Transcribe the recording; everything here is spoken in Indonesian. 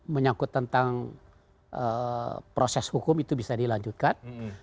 menyangkut tentang proses hukum itu bisa dilanjutkan